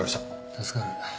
助かる。